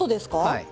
はい。